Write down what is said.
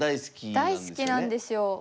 大好きなんですよ。